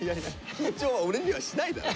緊張は俺にはしないだろ。